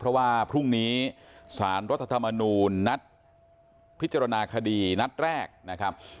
เพราะว่าพรุ่งนี้สารรัฐธรรมนูญนัดพิจารณาคดีนัดแรกนะครับ